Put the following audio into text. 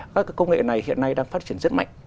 các công nghệ này hiện nay đang phát triển rất mạnh